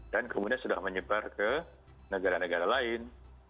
dan kemudian sudah menyebar ke negara negara lain